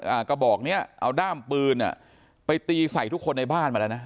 กระบอกเนี้ยเอาด้ามปืนอ่ะไปตีใส่ทุกคนในบ้านมาแล้วนะ